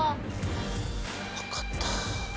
わかった。